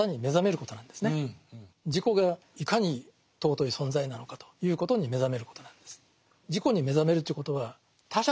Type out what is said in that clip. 自己がいかに尊い存在なのかということに目覚めることなんです。